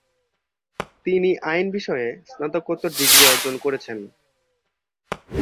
তিনি আইন বিষয়ে স্নাতকোত্তর ডিগ্রি অর্জন করেছেন।